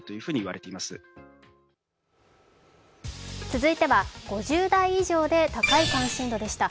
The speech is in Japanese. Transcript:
続いては、５０代以上で高い関心度でした。